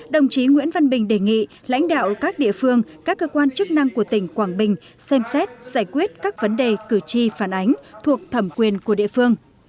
đồng chí nguyễn văn bình đề nghị lãnh đạo các địa phương các cơ quan chức năng của tỉnh quảng bình xem xét giải quyết các vấn đề cử tri phản ánh thuộc thẩm quyền của địa phương